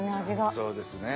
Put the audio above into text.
そうですね。